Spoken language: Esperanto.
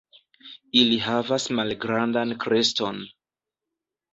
Ili havas malgrandan kreston.